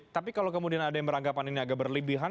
tapi kalau kemudian ada yang beranggapan ini agak berlebihan